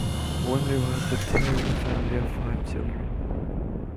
Willem was the third in a family of five children.